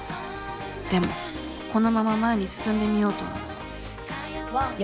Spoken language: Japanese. でもこのまま前に進んでみようと思うお楽しみに！